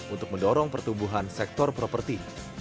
untuk mendorong pertumbuhan sektor properti